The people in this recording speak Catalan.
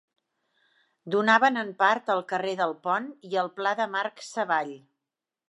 Donaven en part al carrer del Pont i el Pla de Marc Savall.